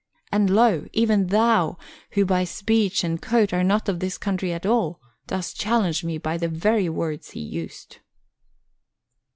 And lo! even thou, who by speech and coat are not of this country at all, dost challenge me by the very words he used."